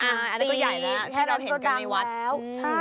อ่ะอันนี้ก็ใหญ่แล้วถ้าเราเห็นกันในวัด